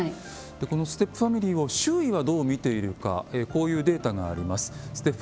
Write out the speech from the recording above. このステップファミリーを周囲はどう見ているかこういうデータがあります。